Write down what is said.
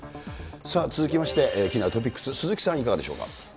続きまして、気になるトピックス、鈴木さん、いかがでしょうか？